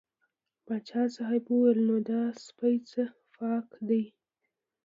پاچا صاحب وویل نو دا سپی څه پاک دی.